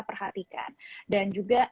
perhatikan dan juga